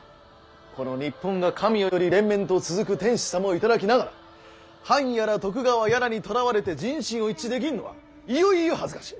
この日本が神代より連綿と続く天子様を戴きながら藩やら徳川やらにとらわれて人心を一致できんのはいよっいよ恥ずかしい。